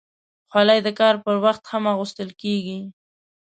خولۍ د کار پر وخت هم اغوستل کېږي.